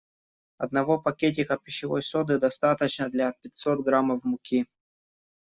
Одного пакетика пищевой соды достаточно для пятисот граммов муки.